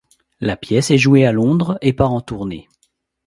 La pièce est jouée à Londres et part en tournée.